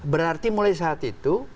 berarti mulai saat itu